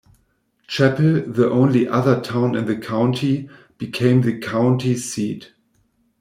Chappell, the only other town in the county, became the county seat.